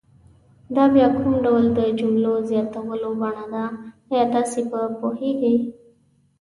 دا بیا کوم ډول د جملو زیاتولو بڼه ده آیا تاسې په پوهیږئ؟